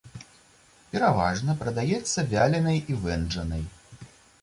Пераважна прадаецца вяленай і вэнджанай.